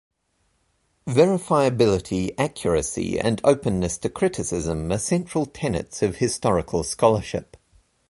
Verifiability, accuracy, and openness to criticism are central tenets of historical scholarship.